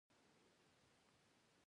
د انځر ونه لرغونې ده